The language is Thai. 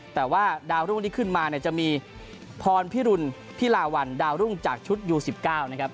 แต่ว่าดาวรุ่งที่ขึ้นมาเนี่ยจะมีพรพิรุณพิลาวันดาวรุ่งจากชุดยู๑๙นะครับ